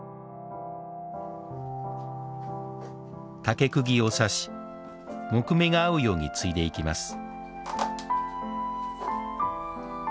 竹釘を刺し木目が合うように継いでいきます